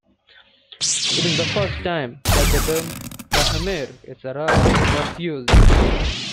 It is the first time that the term "Khmer Issarak" was used.